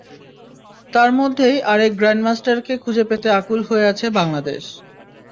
তার মধ্যেই আরেক গ্র্যান্ড মাস্টারকে খুঁজে পেতে আকুল হয়ে আছে বাংলাদেশ।